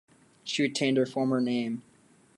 She retained her former name.